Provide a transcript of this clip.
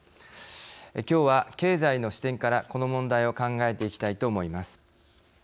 今日は経済の視点からこの問題を考えていきたいと思います。